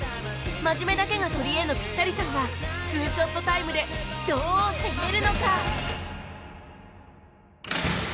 真面目だけが取りえのピッタリさんは２ショットタイムでどう攻めるのか？